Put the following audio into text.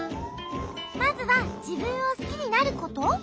まずはじぶんをすきになること？